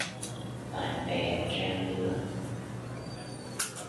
Bạn bè trang lứa